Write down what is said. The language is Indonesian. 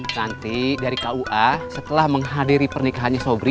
nanti dari kua setelah menghadiri pernikahannya sobri